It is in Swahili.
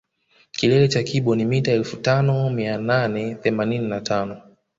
Kilele cha kibo ni mita elfu tano mia nane themanini na tano